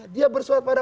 dia bersurat pada